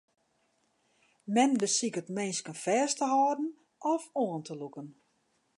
Men besiket minsken fêst te hâlden of oan te lûken.